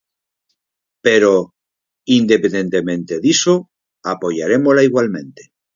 Pero, independentemente diso, apoiarémola igualmente.